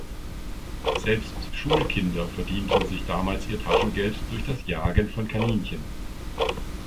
Selbst Schulkinder verdienten sich damals ihr Taschengeld durch das Jagen von Kaninchen.